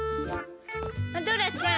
ドラちゃん